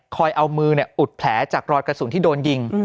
เอามืออุดแผลจากรอยกระสุนที่โดนยิง